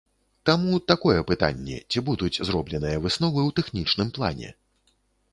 Таму, такое пытанне, ці будуць зробленыя высновы ў тэхнічным плане.